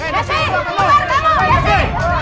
nasi keluar kamu